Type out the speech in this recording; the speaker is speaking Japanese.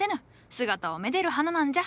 姿を愛でる花なんじゃ。